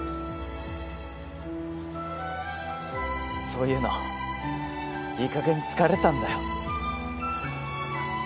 そういうのいいかげん疲れたんだよ。